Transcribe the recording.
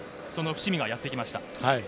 伏見がやってきました。